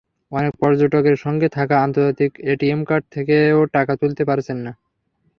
অনেক পর্যটকের সঙ্গে থাকা আন্তর্জাতিক এটিএম কার্ড থেকেও টাকা তুলতে পারছেন না।